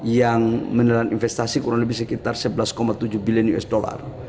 yang menilai investasi kurang lebih sekitar rp sebelas tujuh bilion